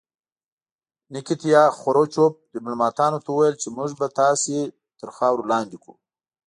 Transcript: نیکیتیا خروچوف ډیپلوماتانو ته وویل چې موږ به تاسې تر خاورو لاندې کړو